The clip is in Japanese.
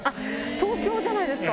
東京じゃないですか。